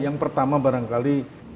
yang pertama barangkali